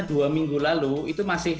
dua minggu lalu itu masih